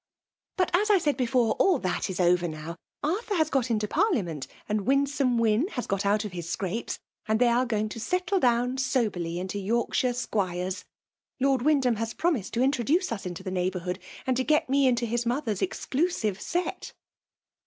" But as I said before*, all thai is over now. Arthur has got into Parliament, and Win^me Wyn has got out of his scrapes ; and they are going to settle down soberly into Yorkshire F;EBfAL^ DOMINATION. 241 Scnurcs. Xx)Td Wyndham has promised to introdnoe us to the neighbourhood^ and to get lae into his mother'^s exclusive set."